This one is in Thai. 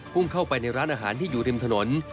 เข้าไปในร้านอาหารที่อยู่ริมถนน